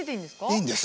いいんです。